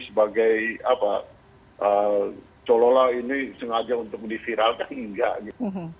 sebagai apa colola ini sengaja untuk diviralkan enggak gitu